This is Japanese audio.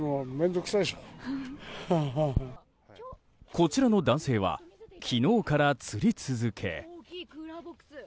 こちらの男性は昨日から釣り続け。